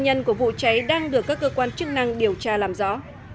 nhân của vụ cháy đang được các cơ quan chức năng điều tra làm rõ